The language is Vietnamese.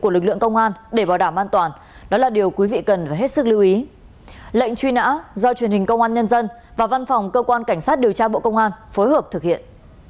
lệnh truy nã do truyền hình công an nhân dân và văn phòng cơ quan cảnh sát điều tra bộ công an phối hợp thực hiện